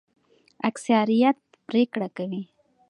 اکثریت پریکړه کوي